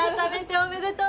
おめでとう！